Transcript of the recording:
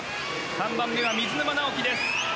３番目は水沼尚輝です。